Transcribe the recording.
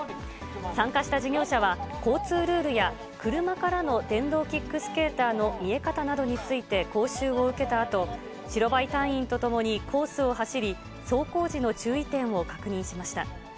参加した事業者は、交通ルールや車からの電動キックスケーターの見え方などについて講習を受けたあと、白バイ隊員と共に、コースを走り、走行時の注意点を確認しました。